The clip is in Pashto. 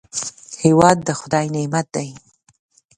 هېواد د خدای نعمت دی